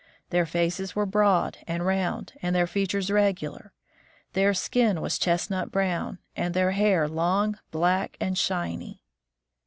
Their faces were broad and round, and their features regular. Their skin was chestnut brown, and their hair long, black, and shiny.